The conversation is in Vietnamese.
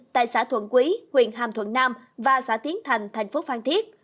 tại xã thuận quý huyện hàm thuận nam và xã tiến thành thành phố phan thiết